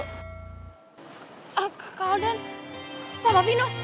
ah kak alden sama vino